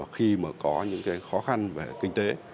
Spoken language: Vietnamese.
khi có những khó khăn về kinh tế